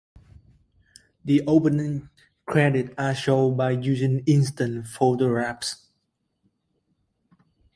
The opening credits are shown by using instant photographs.